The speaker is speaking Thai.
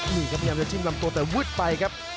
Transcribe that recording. นี่กำลังจะจิ้มลำตัวแต่วึดไปครับ